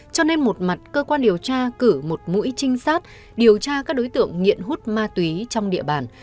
cho nên một mặt cơ quan điều tra cử một mũi trinh sát điều tra các đối tượng nghiện hút ma túy trong địa bàn